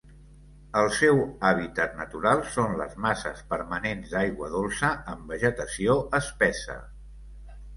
El seu hàbitat natural són les masses permanents d'aigua dolça amb vegetació espessa.